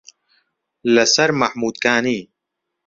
لە سەر مەحموودکانی